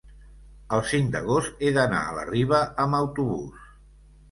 el cinc d'agost he d'anar a la Riba amb autobús.